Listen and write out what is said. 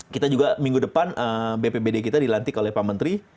kita juga minggu depan bpbd kita dilantik oleh pak menteri